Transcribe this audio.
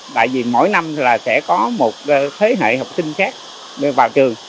tại vì mỗi năm là sẽ có một thế hệ học sinh khác vào trường